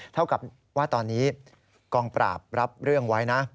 เท่ากับว่าตอนนี้กองปราบรับเรื่องไว้นะ